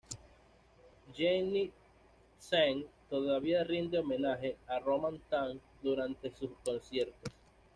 Jenny Tseng, todavía rinde homenaje a Roman Tam durante sus conciertos.